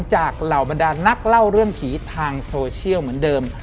เหล่าบรรดานักเล่าเรื่องผีทางโซเชียลเหมือนเดิม